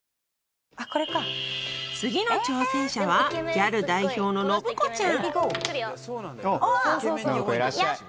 次の挑戦者はギャル代表の信子ちゃんレディーゴーおわ！